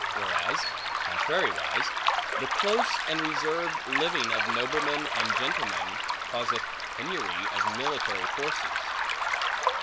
Whereas, contrariwise, the close and reserved living of noblemen and gentlemen, causeth a penury of military forces.